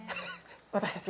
私たち？